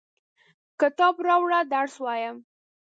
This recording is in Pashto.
کتاب راوړه ، درس وایم!